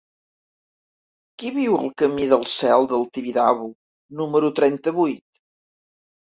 Qui viu al camí del Cel del Tibidabo número trenta-vuit?